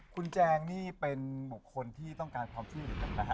คุณแจงนี่เป็นคนที่ต้องการความช่วยเหลือ